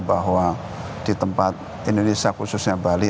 bahwa di tempat indonesia khususnya bali